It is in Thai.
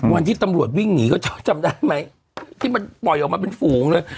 วันที่ตำรวจวิ่งหนีก็เจ้าจำได้ไหมที่มันปล่อยออกมาเป็นฝูงเลย